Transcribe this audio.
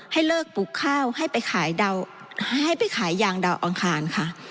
ให้เลิกปลูกข้าวให้ไปขายยางดาวอ่อนคารค่ะ